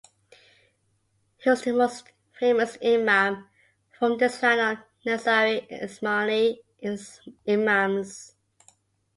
He was the most famous Imam from this line of Nizari Ismaili Imams.